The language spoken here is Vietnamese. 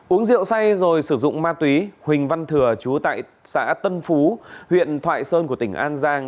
uống rượu say rồi sử dụng ma túy huỳnh văn thừa chú tại xã tân phú huyện thoại sơn của tỉnh an giang